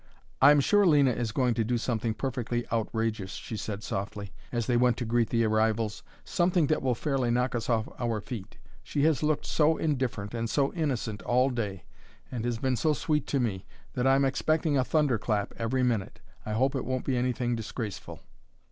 "I'm sure Lena is going to do something perfectly outrageous," she said softly as they went to greet the arrivals, "something that will fairly knock us off our feet. She has looked so indifferent and so innocent all day and has been so sweet to me that I'm expecting a thunder clap every minute. I hope it won't be anything disgraceful."